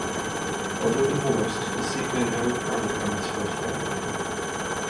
Although divorced, De Sica never parted from his first family.